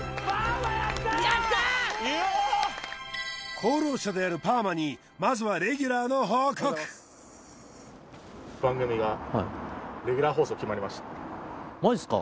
功労者であるパーマにまずはレギュラーの報告はいマジっすか？